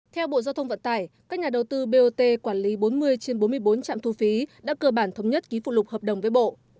theo bộ giao thông vận tải các nhà đầu tư bot quản lý bốn mươi trên bốn mươi bốn trạm thu phí đã cơ bản thống nhất ký phụ lục hợp đồng với bộ